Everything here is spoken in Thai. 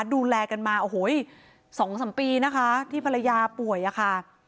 ดูแลกันมาโอ้โห๒๓ปีนะคะที่ภรรยาป่วยอะค่ะ